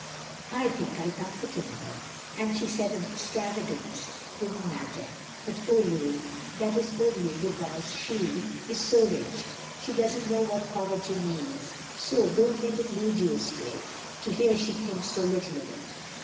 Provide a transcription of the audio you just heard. I think I comforted her, and she said extravagance did n't matter, but oh Louis, that is only because she 62 THE LONELY LADY is so rich, she does n't know what poverty means; so don't let it lead you away, — to hear she thinks so little of it.